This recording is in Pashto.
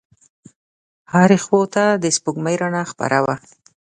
هرې خواته د سپوږمۍ رڼا خپره وه.